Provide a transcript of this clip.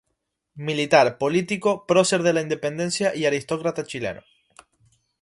Militar, político, prócer de la Independencia y aristócrata chileno.